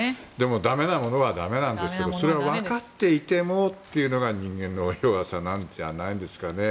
だめなものはだめですがそれは分かっていてもというのが人間の弱さなんじゃないですか。